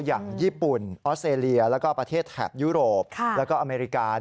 อย่างญี่ปุ่นออสเตรเลียแล้วก็ประเทศแถบยุโรปแล้วก็อเมริกา